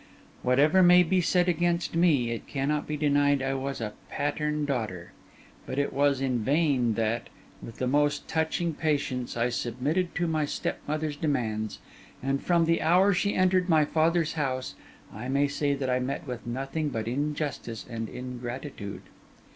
Whatever may be said against me, it cannot be denied I was a pattern daughter; but it was in vain that, with the most touching patience, I submitted to my stepmother's demands; and from the hour she entered my father's house, I may say that I met with nothing but injustice and ingratitude.